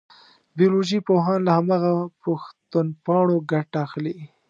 بیولوژي پوهان له هماغه پوښتنپاڼو ګټه اخلي.